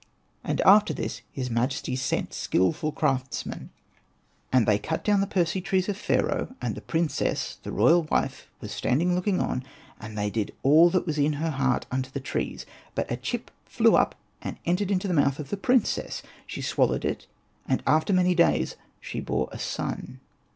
And after this his majesty sent skilful craftsmen, and they Hosted by Google 64 ANPU AND BATA cut down the Persea trees of Pharaoh ; and the princess, the royal wife, was standing looking on, and they did all that was in her heart unto the trees. But a chip flew up, and it entered into the mouth of the princess ; she swallowed it, and after many days she bore a son.